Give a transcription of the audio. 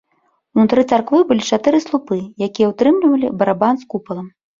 Унутры царквы былі чатыры слупы, якія ўтрымлівалі барабан з купалам.